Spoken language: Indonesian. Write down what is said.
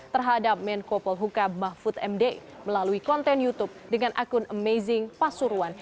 terhadap menko polhuka mahfud md melalui konten youtube dengan akun amazing pasuruan